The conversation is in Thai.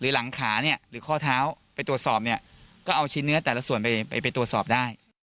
หลังขาเนี่ยหรือข้อเท้าไปตรวจสอบเนี่ยก็เอาชิ้นเนื้อแต่ละส่วนไปตรวจสอบได้